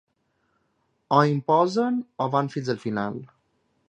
O imposen, o van fins al final.